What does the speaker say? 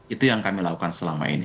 itu yang kami lakukan selama ini